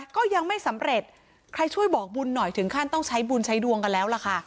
ก็ยังไม่สำเร็จใครช่วยบอกบุญหน่อยถึงขั้นต้องใช้บุญใช้ดวงกันแล้วล่ะค่ะ